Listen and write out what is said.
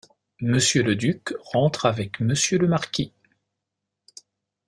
Monsieur le duc rentre avec Monsieur le marquis.